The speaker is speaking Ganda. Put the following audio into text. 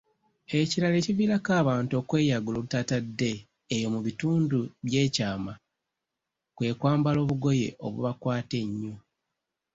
Ekirala ekiviirako abantu okweyagula olutatadde eyo mu bitundu by'ekyama, kwe kwambala obugoye obubakwata ennyo.